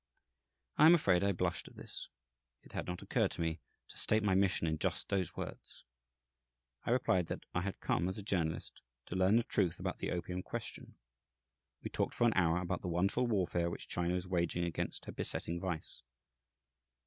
I am afraid I blushed at this. It had not occurred to me to state my mission in just those words. I replied that I had come, as a journalist, to learn the truth about the opium question. We talked for an hour about the wonderful warfare which China is waging against her besetting vice.